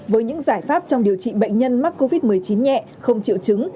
với những giải pháp trong điều trị bệnh nhân mắc covid một mươi chín nhẹ không triệu chứng